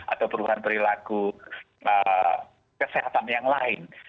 atau perubahan perilaku kesehatan yang lain